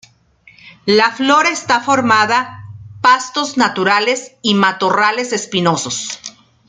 La flora está formada pastos naturales y matorrales espinosos.